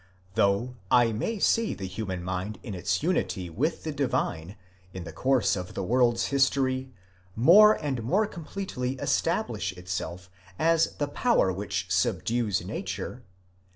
Though I may see the human mind in its unity with the divine, in the course of the world's history, more and more completely establish itself as the power which subdues nature